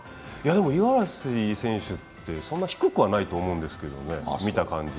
でも、五十嵐選手って、そんな低くはないと思うんですけどね、見た感じ。